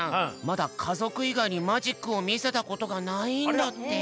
まだかぞくいがいにマジックを見せたことがないんだって。